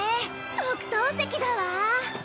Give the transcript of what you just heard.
特等席だわ。